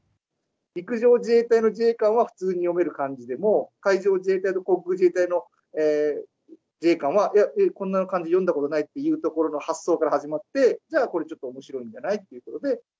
陸上自衛隊の自衛官は普通に読める漢字でも、海上自衛隊と航空自衛隊の自衛官は、えっ、こんな漢字読んだことないというところの発想から始まって、じゃあこれ、ちょっとおもしろいんじゃない？ということで。